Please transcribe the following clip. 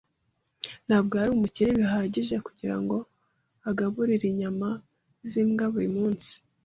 Ntabwo yari umukire bihagije kugirango agaburire inyama zimbwa buri munsi.